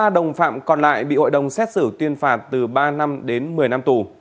ba đồng phạm còn lại bị hội đồng xét xử tuyên phạt từ ba năm đến một mươi năm tù